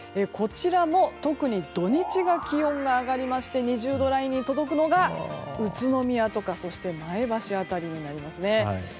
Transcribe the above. こちらも特に土日が気温が上がりまして２０度ラインに届くのが宇都宮とかそして前橋辺りですね。